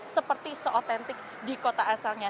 seperti seotentik di kota asalnya